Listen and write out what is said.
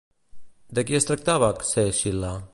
De qui es tractava Ctesil·la?